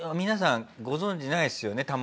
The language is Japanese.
皆さんご存じないですよね？